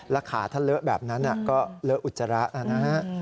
ราคาถ้าเลอะแบบนั้นก็เลอะอุจจาระนะครับ